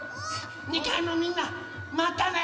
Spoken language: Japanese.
２かいのみんなまたね！